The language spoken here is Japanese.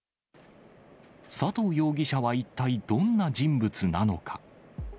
佐藤容疑者は一体どんな人物なのか。